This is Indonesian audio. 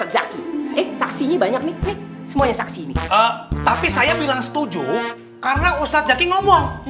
eh laksini banyak nih semuanya saksinya tapi saya bilang setuju karena ustadzaki ngomong